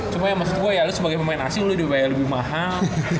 cuma ya maksud gue ya lu sebagai pemain asing udah dibayar lebih mahal